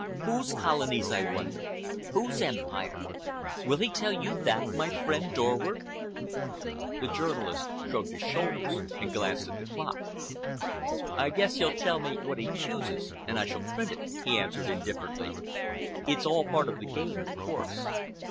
Whose colonies, I wonder? Whose empire? Will he tell you that, my friend Dorward?" The journalist shrugged his shoulders and glanced at the clock. "I guess he'll tell me what he chooses and I shall print it," he answered indifferently. "It's all part of the game, of course.